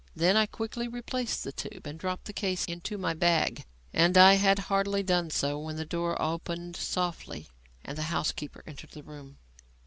Then I quickly replaced the tube and dropped the case into my bag; and I had hardly done so when the door opened softly and the housekeeper entered the room.